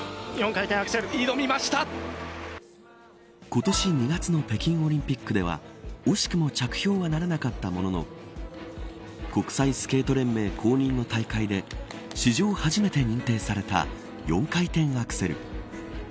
今年２月の北京オリンピックでは惜しくも着氷はならなかったものの国際スケート連盟公認の大会で史上初めて認定された４回転アクセル。